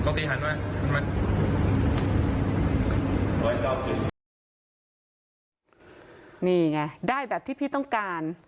นี่ไงได้แบบที่พี่ต้องการ